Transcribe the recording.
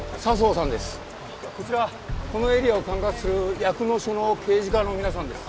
こちらこのエリアを管轄する夜久野署の刑事課の皆さんです。